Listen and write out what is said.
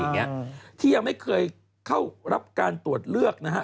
ถึง๒๕๓๒อะไรอย่างนี้ที่ยังไม่เคยเข้ารับการตรวจเลือกนะฮะ